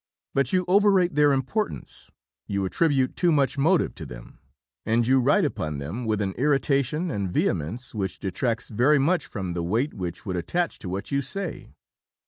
But you over rate their importance, you attribute too much motive to them, and you write upon them with an irritation and vehemence which detracts very much from the weight which would attach to what you say."